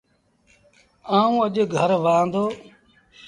آئوٚݩ اَڄ گھر وهآن دو۔